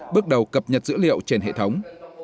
bước đầu cập nhật dữ liệu trên hệ thống